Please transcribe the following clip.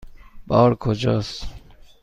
بار کجاست؟